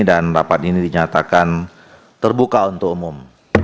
dan rapat ini dinyatakan terbuka untuk umum